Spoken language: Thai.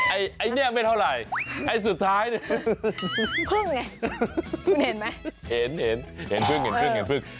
ไอ้ไอ้เนี้ยไม่เท่าไหร่ไอ้สุดท้ายพึ่งไงคุณเห็นไหมเห็นเห็นเห็นพึ่งเห็นพึ่งเห็นพึ่ง